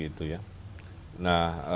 itu ya nah